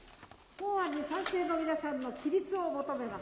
本案に賛成の皆さんの起立を求めます。